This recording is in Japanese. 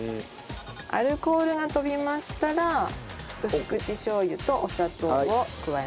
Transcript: アルコールが飛びましたら薄口しょう油とお砂糖を加えます。